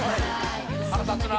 腹立つな」